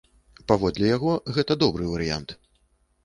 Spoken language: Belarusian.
Паводле яго, гэта добры варыянт.